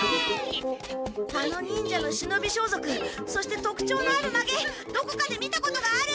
あの忍者の忍び装束そしてとくちょうのあるまげどこかで見たことがある。